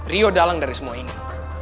rio dalang dari semua ini